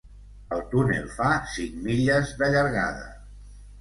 El túnel fa cinc milles de llargada.